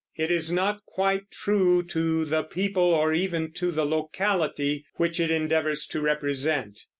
It is not quite true to the people or even to the locality which it endeavors to represent.